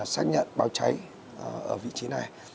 xác nhận báo cháy ở vị trí này